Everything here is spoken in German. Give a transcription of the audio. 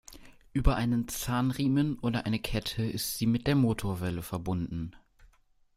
Über einen Zahnriemen oder eine Kette ist sie mit der Motorwelle verbunden.